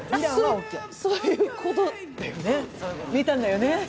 そういうことだよね、見たんだよね？